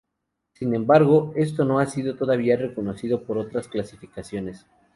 Sin embargo, esto no ha sido todavía reconocido por otras clasificaciones.